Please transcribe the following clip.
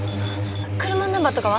車のナンバーとかは？